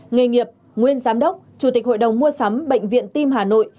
nghề nghiệp nguyên giám đốc chủ tịch hội đồng mua sắm bệnh viện tim hà nội